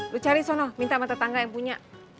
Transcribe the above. lo cari di sana minta sama tetangga yang punya